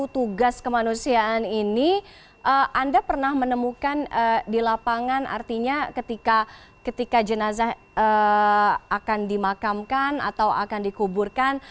tugas kemanusiaan ini anda pernah menemukan di lapangan artinya ketika jenazah akan dimakamkan atau akan dikuburkan